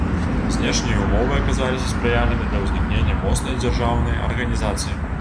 Знешнія ўмовы аказаліся спрыяльнымі для ўзнікнення моцнай дзяржаўнай арганізацыі.